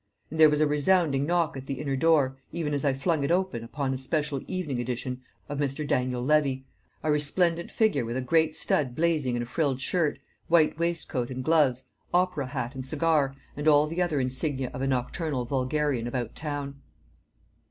And there was a resounding knock at the inner door, even as I flung it open upon a special evening edition of Mr. Daniel Levy, a resplendent figure with a great stud blazing in a frilled shirt, white waistcoat and gloves, opera hat and cigar, and all the other insignia of a nocturnal vulgarian about town.